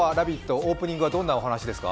オープニングはどんなお話ですか？